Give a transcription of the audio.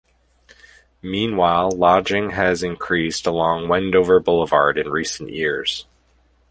Meanwhile, lodging has increased along Wendover Boulevard in recent years.